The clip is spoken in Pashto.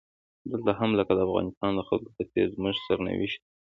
دلته هم لکه د افغانستان د خلکو په څیر زموږ سرنوشت و.